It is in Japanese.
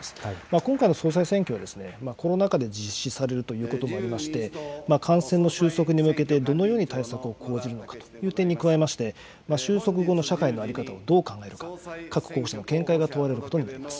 今回の総裁選挙は、コロナ禍で実施されるということもありまして、感染の収束に向けてどのように対策を講じるのかという点に加えまして、収束後の社会の在り方をどう考えるか、各候補者の見解が問われることになります。